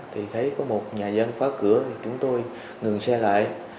thì thấy có một nhà dân khóa cửa thì chúng tôi ngừng xe lại